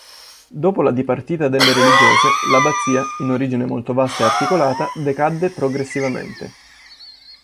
Dopo la dipartita delle religiose, l'abbazia, in origine molto vasta e articolata, decadde progressivamente.